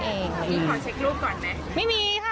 พี่ขอเช็ครูปก่อนไหมไม่มีค่ะ